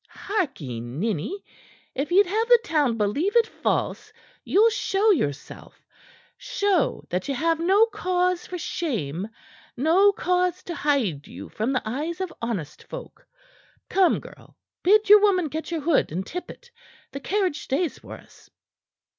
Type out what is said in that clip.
"Harkee, ninny, if you'd have the town believe it false, you'll show yourself show that ye have no cause for shame, no cause to hide you from the eyes of honest folk. Come, girl; bid your woman get your hood and tippet. The carriage stays for us."